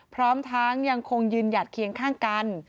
พร้อมทั้งยังคงยืนหยัดเคียงข้างกัน